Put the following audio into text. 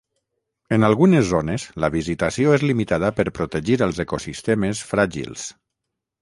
En algunes zones la visitació és limitada per protegir els ecosistemes fràgils.